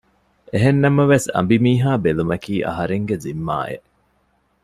އެހެންނަމަވެސް އަނބިމީހާ ބެލުމަކީ އަހަރެންގެ ޒިންމާއެއް